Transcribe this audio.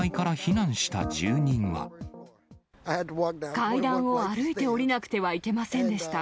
階段を歩いて下りなくてはいけませんでした。